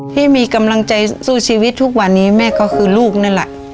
ที่มีกำลังใจสู้ชีวิตทุกวันนี้แม่ก็คือลูกนั่นแหละ